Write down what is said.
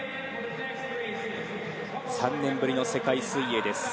３年ぶりの世界水泳です。